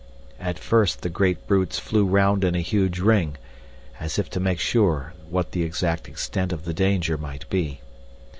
At first the great brutes flew round in a huge ring, as if to make sure what the exact extent of the danger might be.